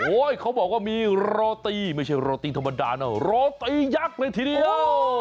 เขาบอกว่ามีโรตีไม่ใช่โรตีธรรมดานะโรตียักษ์เลยทีเดียว